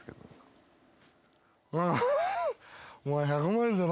「１００万円か」